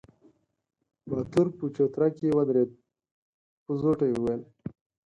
باتور په چوتره کې ودرېد، په زوټه يې وويل: